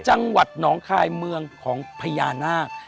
จังหวัดหนองคายเมืองของพญานาค